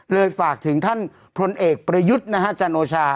ฝากถึงท่านพลเอกประยุทธ์นะฮะจันโอชา